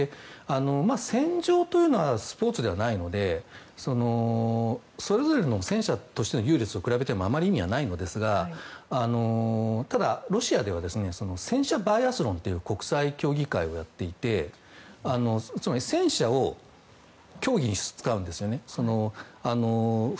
戦場というのはスポーツではないのでそれぞれの戦車としての優劣を比べてもあまり意味はないのですがただ、ロシアでは戦車バイアスロンという国際競技会をやっていて戦車を競技に使うんですね。